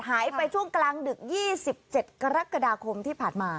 หายไปช่วงกลางดึก๒๗กรกฎาคมที่ผ่านมา